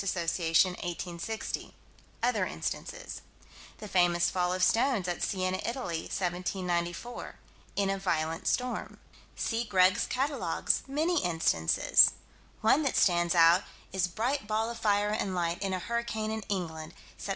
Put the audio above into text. Assoc._, 1860 other instances. The famous fall of stones at Siena, Italy, 1794 "in a violent storm." See Greg's Catalogues many instances. One that stands out is "bright ball of fire and light in a hurricane in England, Sept.